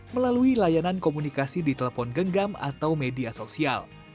melalui layanan komunikasi di telepon genggam atau media sosial